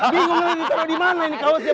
bingung lagi taruh di mana ini kaosnya